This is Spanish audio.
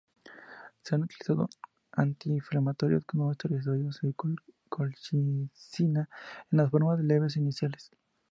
Se han utilizado antiinflamatorios no esteroideos o colchicina en las formas leves iniciales.